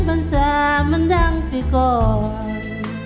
มันจะมันยังไปก่อน